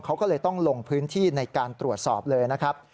เขาก็เลยต้องลงพื้นที่ในการตรวจสอบเลยนะครับ